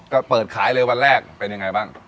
ก็เปิดขายเลยวันแรกเป็นยังไงบ้าง